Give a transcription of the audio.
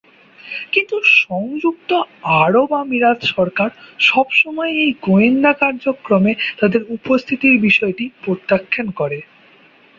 কিন্তু সংযুক্ত আরব আমিরাত সরকার সবসময়ই এই গোয়েন্দা কার্যক্রমে তাদের উপস্থিতির বিষয়টি প্রত্যাখ্যান করে।